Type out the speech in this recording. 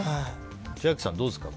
千秋さんはどうですか。